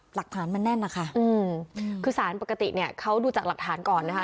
หลักฐานมันแน่นนะคะอืมคือสารปกติเนี่ยเขาดูจากหลักฐานก่อนนะคะ